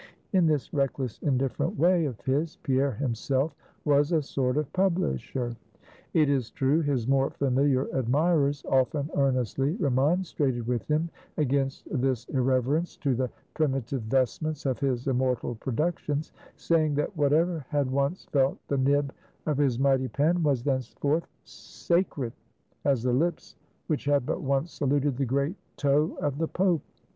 In this reckless, indifferent way of his, Pierre himself was a sort of publisher. It is true his more familiar admirers often earnestly remonstrated with him, against this irreverence to the primitive vestments of his immortal productions; saying, that whatever had once felt the nib of his mighty pen, was thenceforth sacred as the lips which had but once saluted the great toe of the Pope.